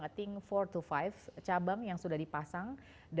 saya pikir empat lima cabang yang sudah dipasang